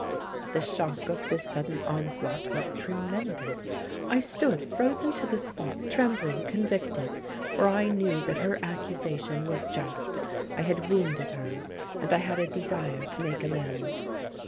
The shock of this sudden onslaught was tremendous. I stood frozen to the spot, trembling, convicted, for I knew that her accusation was just; I had wounded her, and I had a desire to make amends.